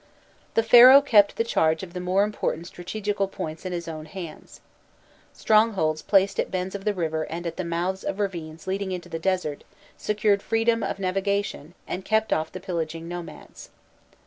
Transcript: The Pharaoh kept the charge of the more important strategical points in his own hands. Strongholds placed at bends of the river and at the mouths of ravines leading into the desert, secured freedom of navigation, and kept off the pillaging nomads.